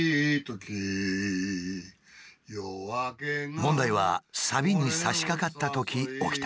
問題はサビにさしかかったとき起きた。